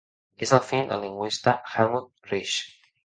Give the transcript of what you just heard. És el fill del lingüista Helmut Rix.